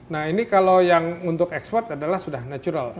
nah ini kalau yang untuk ekspor adalah sudah natural